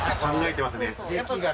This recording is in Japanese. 考えてますね。